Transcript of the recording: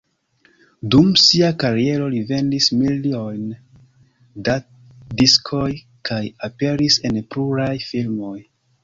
Dum sia kariero li vendis milojn da diskoj kaj aperis en pluraj filmoj.